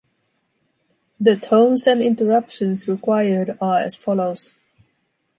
The tones and interruptions required are as follows.